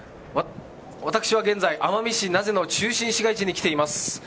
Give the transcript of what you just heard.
私は現在、奄美市の中心地市街地に来ています。